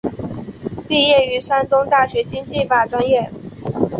毕业于山东大学经济法专业。